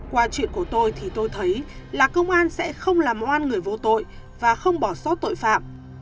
qua chuyện của tôi thì tôi thấy là công an sẽ không làm oan người vô tội và không bỏ sót tội phạm